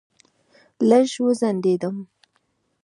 لږ وځنډېدم.